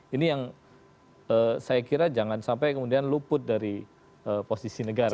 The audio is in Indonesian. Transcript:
ini yang saya kira jangan sampai kemudian luput dari posisi negara